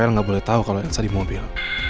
rafael gak boleh tahu kalau elsa di mobil